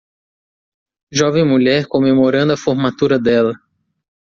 Jovem mulher comemorando a formatura dela.